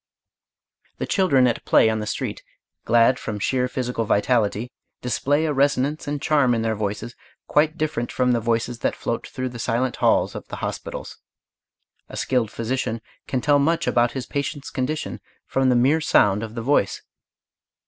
The children at play on the street, glad from sheer physical vitality, display a resonance and charm in their voices quite different from the voices that float through the silent halls of the hospitals. A skilled physician can tell much about his patient's condition from the mere sound of the voice.